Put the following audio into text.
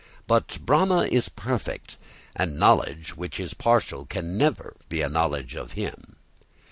But Brahma is perfect, and knowledge which is partial can never be a knowledge of him.